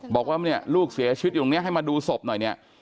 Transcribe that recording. บอกว่าเนี่ยลูกเสียชีวิตอยู่ตรงนี้ให้มาดูศพหน่อยเนี่ย